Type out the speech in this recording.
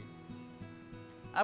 nek kuda kudaan di pudaknya nabi